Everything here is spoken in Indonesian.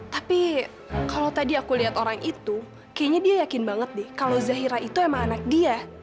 tapi kalau tadi aku lihat orang itu kayaknya dia yakin banget nih kalau zahira itu emang anak dia